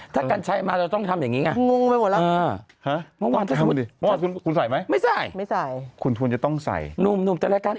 ถ้าเกิดมาเราต้องทำอย่างงี้